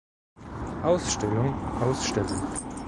Ausstellung ausstellen.